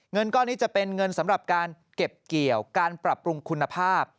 เงินก้อนนี้จะเป็นเงินสำหรับการเก็บเกี่ยวการปรับปรุงคุณภาพ